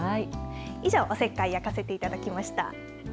以上、おせっかい焼かせていただきました。